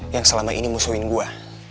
yang selama ini musuhin gue